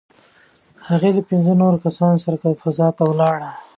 هغې له پنځو نورو کسانو سره فضا ته ولاړه.